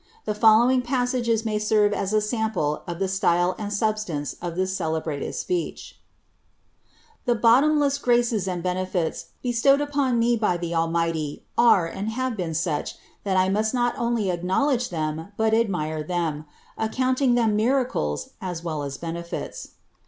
The following passages may serve as a sample of the style and substance of this celebrated speech :—'^ The bottomless graces and benefits, bestowed upon me by the Almighty, are uid bave been such, that I must not only acknowledge them, but admire them, feocounting them miracles (as well) as benefits.